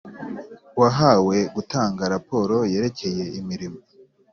UwahaweGutanga raporo yerekeye imirimo